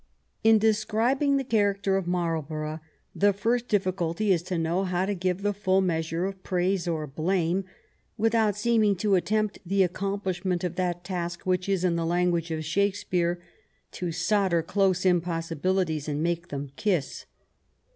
In describing the character of Marlborough, the first difficulty is to know how to give the full measure of praise or blame with out seeming to attempt the accomplishment of that task which is, in the language of Shakespeare, "to solder close impossibilities and make them kiss.'